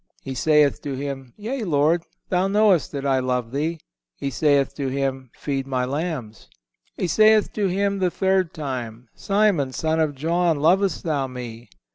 He saith to Him: Yea, Lord, Thou knowest that I love Thee. He saith to him: Feed My lambs. He saith to him the third time: Simon, son of John, lovest thou Me?